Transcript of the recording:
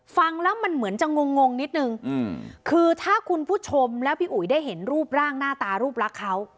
ฟังแล้วมันเหมือนจะงงงนิดนึงคือถ้าคุณผู้ชมแล้วพี่อุ๋ยได้เห็นรูปร่างหน้าตารูปลักษณ์เขา